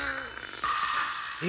え？